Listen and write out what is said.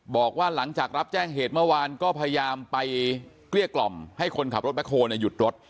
บอกว่าหลังจากรับแจ้งเหตุเมื่อวานก็พยายามไปเกลี้ยกล่อมให้คนขับรถแบคโฮลหยุดรถ